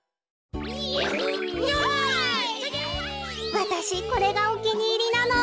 わたしこれがおきにいりなの。